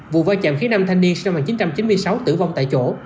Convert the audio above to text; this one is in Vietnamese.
vụ va chạm khiến năm thanh niên sinh năm một nghìn chín trăm chín mươi sáu tử vong tại chỗ